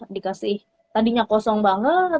dikasih tadinya kosong banget